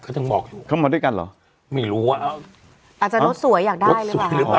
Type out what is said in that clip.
เขาจำบอกเข้ามาด้วยกันเหรออ่าอาจจะรถสวยอยากได้หรือเปล่า